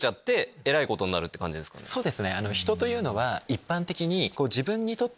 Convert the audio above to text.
そうですね。